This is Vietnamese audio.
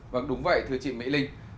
vâng đúng vậy thưa chị mỹ linh